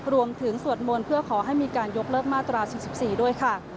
สวดมนต์เพื่อขอให้มีการยกเลิกมาตรา๔๔ด้วยค่ะ